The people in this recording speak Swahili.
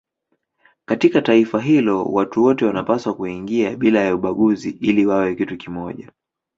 Katika taifa hilo watu wote wanapaswa kuingia bila ya ubaguzi ili wawe kitu kimoja.